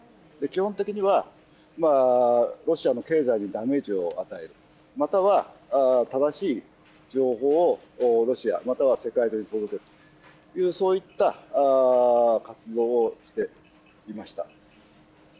基本的には、ロシアの経済にダメージを与える、または正しい情報をロシア、または世界中に届ける、そういった活動をしていました。